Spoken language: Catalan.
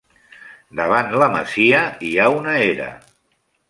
Davant la masia hi ha una era.